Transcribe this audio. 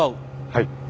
はい。